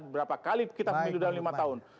berapa kali kita pemilu dalam lima tahun